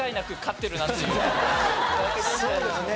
そうですね。